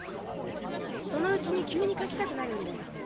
そのうちに急に描きたくなるんだよ。